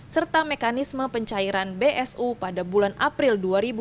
serta mekanisme pencairan bsu pada bulan april dua ribu dua puluh